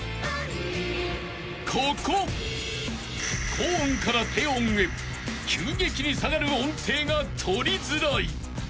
［高音から低音へ急激に下がる音程が取りづらい］